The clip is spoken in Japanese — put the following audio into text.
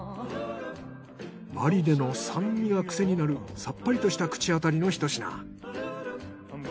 マリネの酸味が癖になるさっぱりとした口当たりのひと品。